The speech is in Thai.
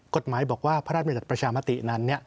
กฎหมายบอกว่าพระราชบัญญัติประชามตินั้น